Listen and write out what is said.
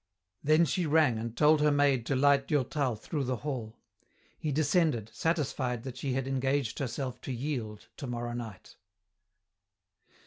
Then she rang and told her maid to light Durtal through the hall. He descended, satisfied that she had engaged herself to yield tomorrow night.